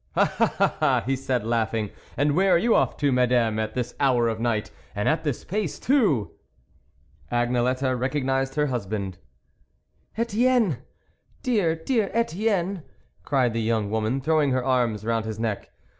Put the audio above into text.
" Ah ! ah !" he said, laughing, " and where are you off to, Madame, at this hour of the night, and at this pace too ?" Agnelette recognised her husband. " Etienne ! dear, dear Etienne," cried the young woman, throwing her arms round his neck.